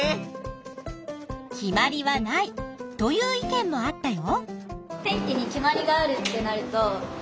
決まりはないという意見もあったよ。